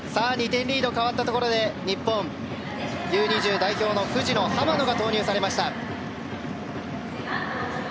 ２点リードに変わったところで日本、Ｕ‐２０代表の藤野と浜野が投入されました。